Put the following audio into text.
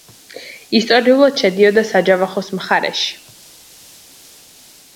ისტორიულად შედიოდა საჯავახოს მხარეში.